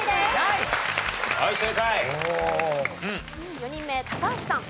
４人目高橋さん。